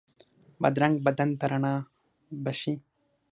بادرنګ بدن ته رڼا بښي.